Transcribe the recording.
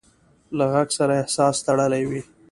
له غږ سره احساس تړلی وي.